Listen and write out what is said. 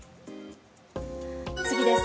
次です。